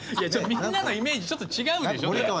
みんなのイメージちょっと違うでしょ。